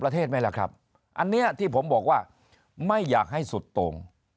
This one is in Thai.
ไหมล่ะครับอันนี้ที่ผมบอกว่าไม่อยากให้สุดตรง